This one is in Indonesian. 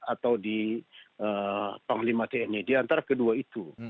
atau di panglima tni di antara kedua itu